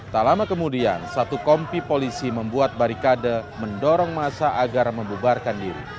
tak lama kemudian satu kompi polisi membuat barikade mendorong masa agar membubarkan diri